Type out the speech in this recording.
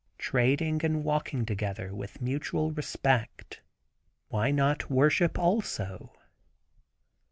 Trading and walking together with mutual respect, why not worship also?